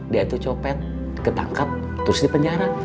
dia dia itu copet ketangkap terus di penjara